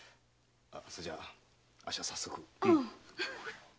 それじゃああっしは早速。